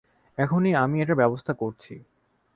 এক্ষুনি আমি এটার ব্যবস্থা করছি।